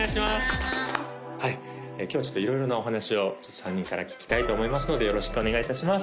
今日はちょっと色々なお話を３人から聞きたいと思いますのでよろしくお願いいたします